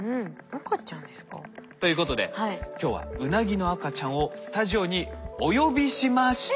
赤ちゃんですか？ということで今日はウナギの赤ちゃんをスタジオにお呼びしました。